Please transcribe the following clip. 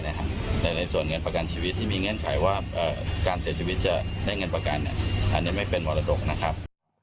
แต่ในส่วนเงินประกันชีวิตที่มีเงื่อนไขว่าการเสียชีวิตจะได้เงินประกันอาจจะไม่เป็นมรดกนะครับ